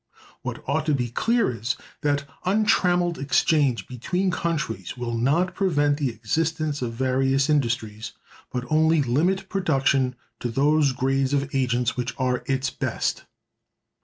What ought to be clear is, that untrammeled exchange between countries will not prevent the existence of various industries, but only limit production to those grades of agents which are its best.